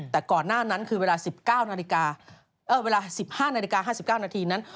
แต่ก่อนหน้านั้นคือเวลา๑๕นาฬิกา๕๙นาทีนั้น